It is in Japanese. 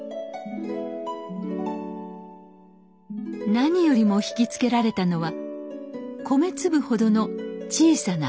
何よりも引き付けられたのは米粒ほどの小さな花。